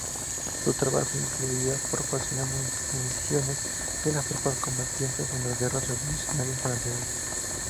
Su trabajo incluía proporcionar municiones para las tropas combatientes en las Guerras revolucionarias francesas.